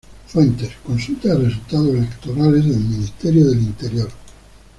Fuente: Consulta de resultados electorales, Ministerio del Interior